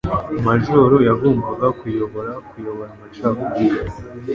Majoro yagombaga kuyobora kuyobora amacakubiri.